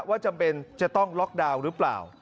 จำเป็นจะต้องล็อกดาวน์หรือเปล่า